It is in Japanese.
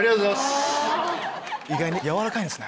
意外に柔らかいんですね。